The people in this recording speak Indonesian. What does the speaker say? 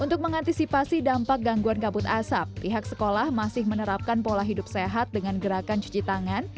untuk mengantisipasi dampak gangguan kabut asap pihak sekolah masih menerapkan pola hidup sehat dengan gerakan cuci tangan